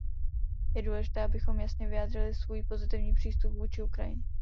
Je důležité, abychom jasně vyjádřili svůj pozitivní přístup vůči Ukrajině.